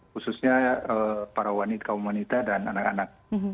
khususnya para wanita dan anak anak